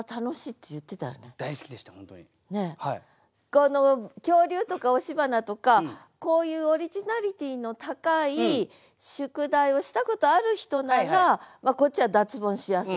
この「恐竜」とか「押し花」とかこういうオリジナリティーの高い宿題をしたことある人ならこっちは脱ボンしやすいと。